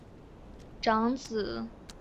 邹永煊长子。